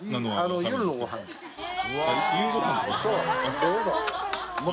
そう！